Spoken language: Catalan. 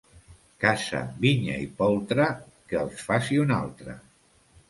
Casa, vinya i poltre, que els faci un altre.